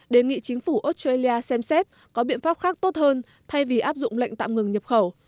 đề nghị chính phủ australia xem xét có biện pháp khác tốt hơn thay vì áp dụng lệnh tạm ngừng nhập khẩu